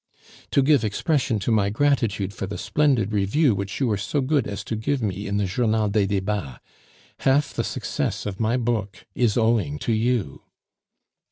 " to give expression to my gratitude for the splendid review which you were so good as to give me in the Journal des Debats. Half the success of my book is owing to you."